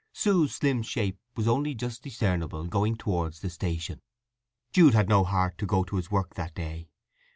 Sue's slim shape was only just discernible going towards the station. Jude had no heart to go to his work that day.